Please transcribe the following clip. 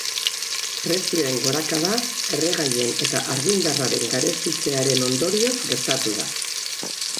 Prezioen gorakada erregaien eta argindarraren garestitzearen ondorioz gertatu da.